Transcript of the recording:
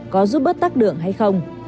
có giúp bớt tắc đường hay không